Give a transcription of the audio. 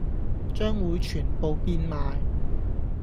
將會全部變賣